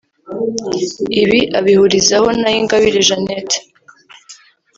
Ibi abihurizaho na Ingabire Jeannette